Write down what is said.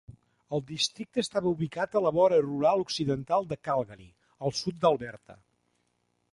El districte estava ubicat a la vora rural occidental de Calgary, al sud d'Alberta.